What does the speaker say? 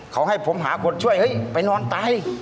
เขาให้ผมหาคนช่วยเฮ้ยไปนอนตาย